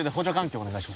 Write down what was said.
お願いします